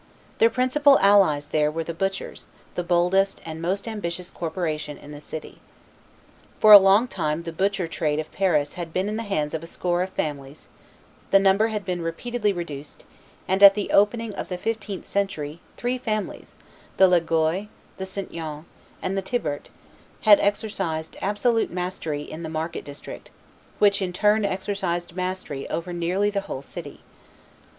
Their principal allies there were the butchers, the boldest and most ambitious corporation in the city. For a long time the butcher trade of Paris had been in the hands of a score of families the number had been repeatedly reduced, and at the opening of the fifteenth century, three families, the Legoix, the St. Yons, and the Thiberts, had exercised absolute mastery in the market district, which in turn exercised mastery over nearly the whole city.